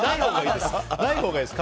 ないほうがいいです。